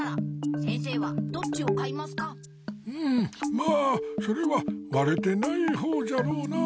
まあそれはわれてないほうじゃろうなぁ。